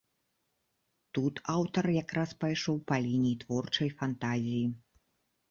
Тут аўтар якраз пайшоў па лініі творчай фантазіі.